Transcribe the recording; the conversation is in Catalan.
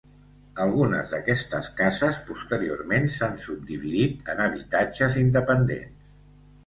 Algunes d'aquestes cases posteriorment s'han subdividit en habitatges independents.